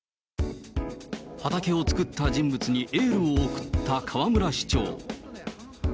畑を作った人物にエールを送った河村市長。